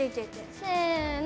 せの！